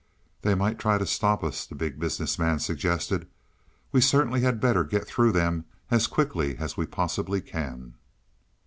"They might try to stop us," the Big Business Man suggested. "We certainly had better get through them as quickly as we possibly can."